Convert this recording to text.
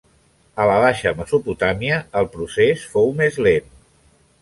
A la baixa Mesopotàmia el procés fou més lent.